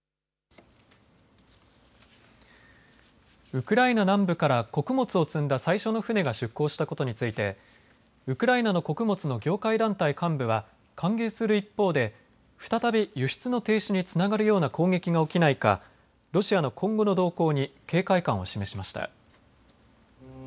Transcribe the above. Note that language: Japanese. ウクライナ南部から穀物を積んだ最初の船が出港したことについてウクライナの穀物の業界団体幹部は歓迎する一方で再び輸出の停止につながるような攻撃が起きないかロシアの今後の動向に警戒感を示しました。